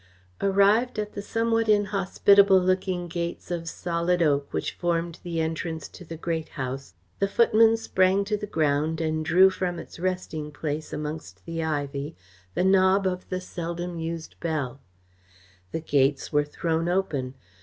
Arrived at the somewhat inhospitable looking gates of solid oak which formed the entrance to the Great House, the footman sprang to the ground and drew from its resting place amongst the ivy the knob of the seldom used bell. The gates were thrown open.